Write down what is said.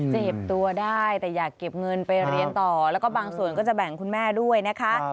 เจ็บตัวได้แต่อยากเก็บเงินไปเรียนต่อแล้วก็บางส่วนก็จะแบ่งคุณแม่ด้วยนะคะ